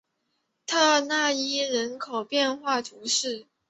特讷伊人口变化图示